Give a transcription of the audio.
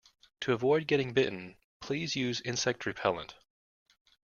To avoid getting bitten, please use insect repellent